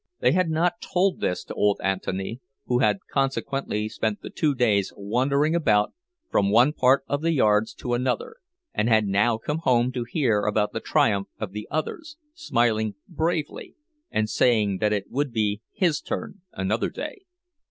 They had not told this to old Anthony, who had consequently spent the two days wandering about from one part of the yards to another, and had now come home to hear about the triumph of the others, smiling bravely and saying that it would be his turn another day.